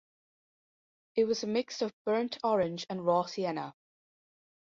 It was a mix of burnt orange and raw sienna.